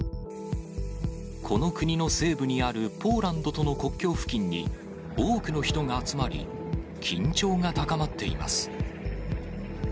この国の西部にあるポーランドとの国境付近に、多くの人が集まり、緊張が高まっています。